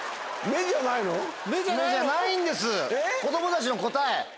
子供たちの答え。